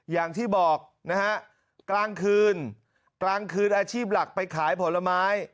อย่างที่บอกนะฮะกลางคืนกลางคืนอาชีพหลักไปขายผลไม้